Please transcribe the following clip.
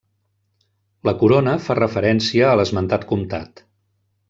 La corona fa referència a l'esmentat comtat.